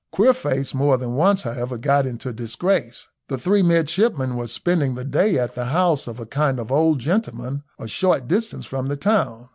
Queerface more than once, however, got into disgrace. The three midshipmen were spending the day at the house of a kind old gentleman a short distance from the town.